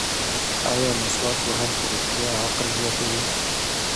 ایا مسواک وهل په رښتیا عقل زیاتوي؟